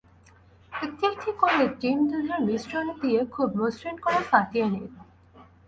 একটি একটি করে ডিম দুধের মিশ্রণে দিয়ে খুব মসৃণ করে ফাটিয়ে নিন।